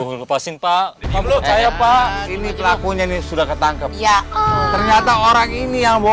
lupa simpa simpah ini pelakunya ini sudah ketangkep ya ternyata orang ini yang bawa